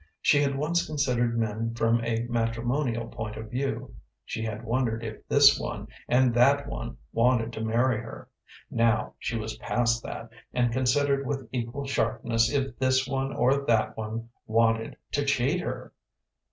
She had once considered men from a matrimonial point of view. She had wondered if this one and that one wanted to marry her. Now she was past that, and considered with equal sharpness if this one or that one wanted to cheat her.